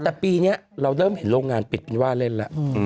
แต่ปีนี้เราเริ่มเห็นโรงงานปิดไม่ว่าเล่นแล้ว